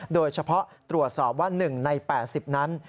โดยเฉพาะตรวจสอบว่า๑ใน๘๐นั้น